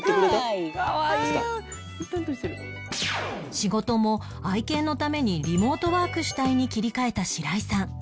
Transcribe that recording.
仕事も愛犬のためにリモートワーク主体に切り替えた白井さん